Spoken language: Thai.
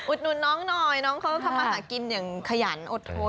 อึดนุนน้องหน่อยน้องเค้าเข้ามากินอย่างขยันอดธน